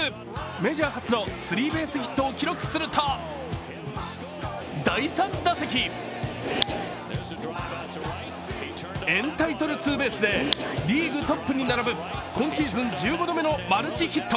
メジャー初のスリーベースヒットを記録すると、第３打席、エンタイトルツーベースでリーグトップに並ぶ今シーズン１５度目のマルチヒット。